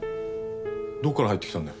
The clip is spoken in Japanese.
どこから入ってきたんだよ。